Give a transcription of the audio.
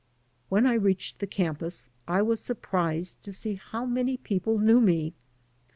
When I reached the campus I was surprised to see how many people knew me.